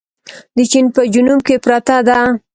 د چين په جنوب کې پرته ده.